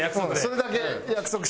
それだけ約束して。